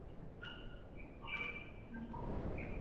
与当时美国驻华公使芮恩施发生严重的外交策略分歧。